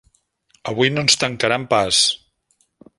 Avui no ens tancaran pas!